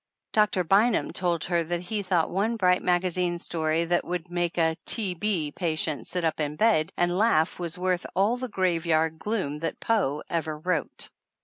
Doctor Bynum told her that he thought one bright magazine story that would make a "T. B." patient sit up in bed and laugh was worth all the graveyard gloom that Poe. ever wrote.